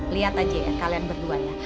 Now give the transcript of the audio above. lihat aja ya kalian berdua ya